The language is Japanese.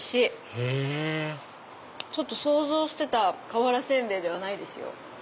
へぇちょっと想像してた瓦煎餅ではないですよ。